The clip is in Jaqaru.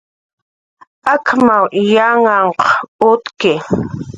ukanw yanhanhq utki